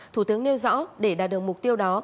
thủ tướng nêu rõ để đạt được mục tiêu đó